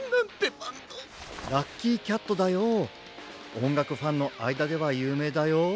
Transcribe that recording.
おんがくファンのあいだではゆうめいだよ。